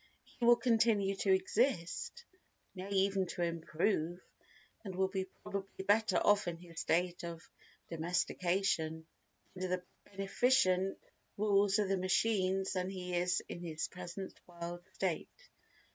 He will continue to exist, nay even to improve, and will be probably better off in his state of domestication under the beneficent rule of the machines than he is in his present wild state.